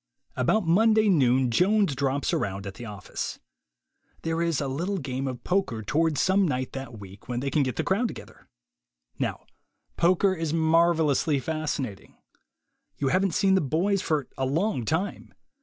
About Monday noon Jones drops around at the office. There is a little game of poker toward some night that week when they can get the crowd together. Now poker is marvel ously fascinating. You haven't seen the boys for a long time.